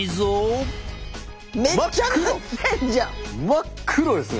真っ黒ですね。